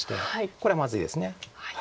これはまずいです。